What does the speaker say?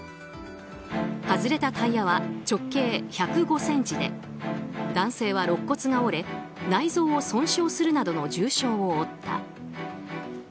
外れたタイヤは直径１０５ｃｍで男性は肋骨が折れ内臓を損傷するなどの重傷を負った。